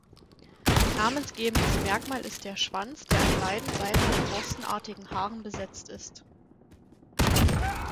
Namensgebendes Merkmal ist der Schwanz, der an beiden Seiten mit borstenartigen Haaren besetzt ist.